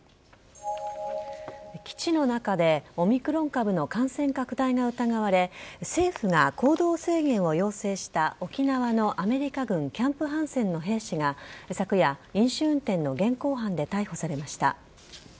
基地の中でオミクロン株の感染拡大が疑われ、政府が行動制限を要請した沖縄のアメリカ軍キャンプ・ハンセンの兵士が昨夜、飲酒運転の現行犯で逮捕されました。